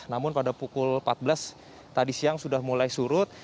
namun pada pukul empat belas tadi siang sudah mulai surut